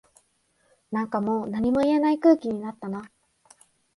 なんかもう何も言えない空気になったな